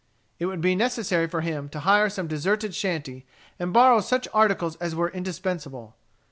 It would be necessary for him to hire some deserted shanty, and borrow such articles as were indispensable.